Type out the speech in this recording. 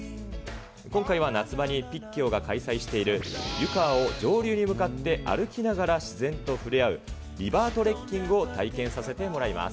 今回は夏場にピッキオが開催している湯川を上流に向かって歩きながら自然と触れ合う、リバートレッキングを体験させてもらいます。